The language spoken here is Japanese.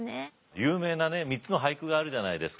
有名なね３つの俳句があるじゃないですか。